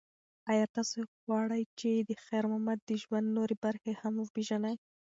ایا تاسو غواړئ چې د خیر محمد د ژوند نورې برخې هم وپیژنئ؟